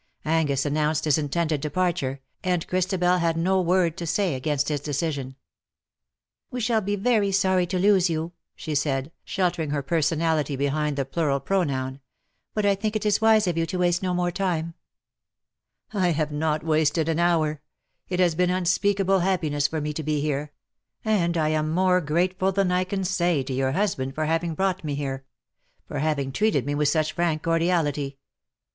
Angus announced his intended departure, and Christabel had no word to say against his decision. " We shall be very sorry to lose you,^' she said, sheltering her personality behind the plural pro '^AND TIME IS SETTING Wl' ME, O." 211 noun, " but I think it is wise of you to waste no more time/^ " I have not wasted an hour. It has been unspeakable happiness for me to be here — and I am more grateful than I can say to your husband for having brought me here — for having treated me with such frank cordiality.